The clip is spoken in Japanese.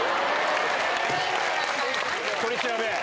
取り調べ？